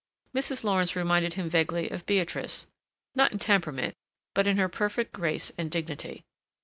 Mrs. Lawrence reminded him vaguely of Beatrice, not in temperament, but in her perfect grace and dignity.